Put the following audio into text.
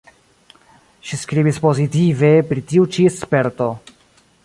Ŝi skribis pozitive pri tiu ĉi sperto.